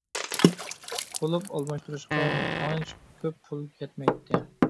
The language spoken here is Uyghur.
قۇلۇپ ئالماشتۇرۇشقا ئانچە كۆپ پۇل كەتمەيتتى.